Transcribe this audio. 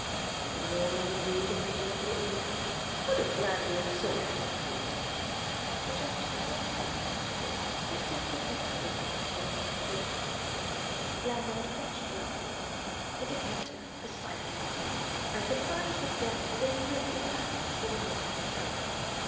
"Anything more I can do to put you at your ease? Would a brandy and soda help, do you think?" The suggestion was acceptable: Victor signified as much with an ungracious mumble. Lanyard fetched glasses, a decanter, a siphon bottle, and supplied his guest with a liberal hand before helping himself.